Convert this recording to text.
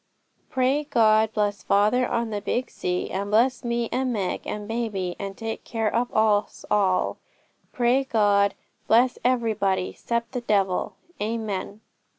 'Pray God, bless father on the big sea, and bless me, and Meg, and baby, and take care of us all. Pray God, bless everybody, 'cept the devil. Amen.'